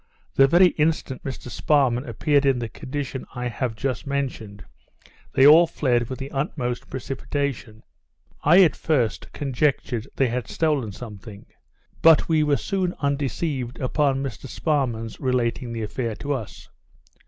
The very instant Mr Sparrman appeared in the condition I have just mentioned, they all fled with the utmost precipitation. I at first conjectured they had stolen something; but we were soon undeceived upon Mr Sparrman's relating the affair to us.